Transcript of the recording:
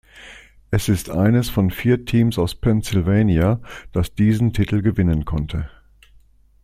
Es ist eines von vier Teams aus Pennsylvania, das diesen Titel gewinnen konnte.